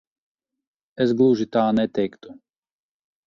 Es gluži tā neteiktu.